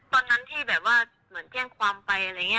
เป็นคนแบบที่งงิดอะไรอย่างนี้ค่ะ